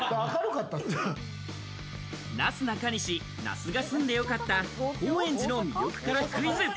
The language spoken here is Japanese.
なすなかにし・那須が住んでよかった高円寺の魅力からクイズ。